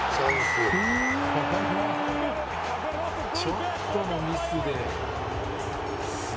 ちょっとのミスで。